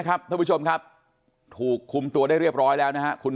ท่านผู้ชมครับถูกคุมตัวได้เรียบร้อยแล้วนะฮะคุณ